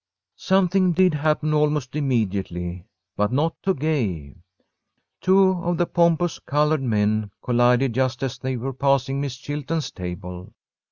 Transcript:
Something did happen almost immediately, but not to Gay. Two of the pompous coloured men collided just as they were passing Miss Chilton's table.